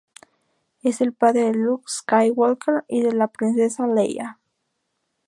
Es el padre de Luke Skywalker y de la princesa Leia.